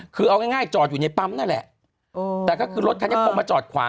คือเอาง่ายจอดอยู่ในปั๊มนั่นแหละแต่ก็คือรถคันนี้คงมาจอดขวา